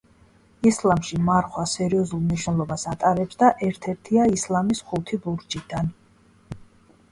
ისლამში მარხვა სერიოზულ მნიშვნელობას ატარებს და ერთ–ერთია ისლამის ხუთი ბურჯიდან.